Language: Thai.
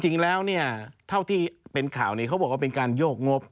จริงแล้วเนี่ยเท่าที่เป็นข่าวนี้เขาบอกว่าเป็นการโยกงบ